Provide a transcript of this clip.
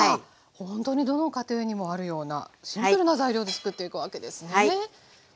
ほんとにどの家庭にもあるようなシンプルな材料でつくっていくわけですね。